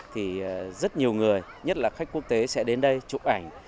thì rất nhiều người nhất là khách quốc tế sẽ đến đây chụp ảnh